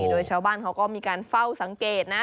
โดยชาวบ้านเขาก็มีการเฝ้าสังเกตนะ